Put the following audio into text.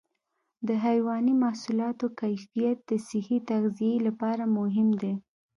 د حيواني محصولاتو کیفیت د صحي تغذیې لپاره مهم دی.